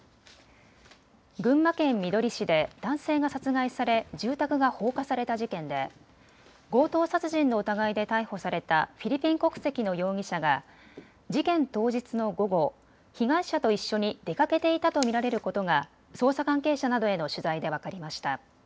群馬県みどり市で男性が殺害され住宅が放火された事件で強盗殺人の疑いで逮捕されたフィリピン国籍の容疑者が事件当日の午後、被害者と一緒に出かけていたと見られることが捜査関係者などへの取材で分かりました。